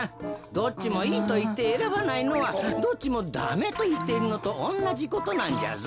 どっちもいいといってえらばないのはどっちもダメといっているのとおんなじことなんじゃぞ。